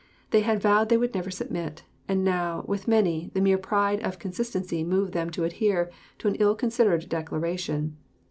They had vowed they would never submit; and now, with many, the mere pride of consistency moved them to adhere to an ill considered declaration.